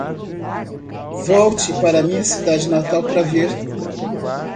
Volte para minha cidade natal para ver